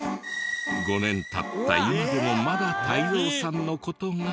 ５年経った今でもまだ泰造さんの事が。